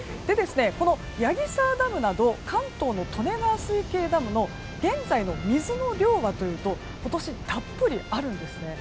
この矢木沢ダムなど関東の利根川水系ダムの現在の水の量はというと今年たっぷりあるんです。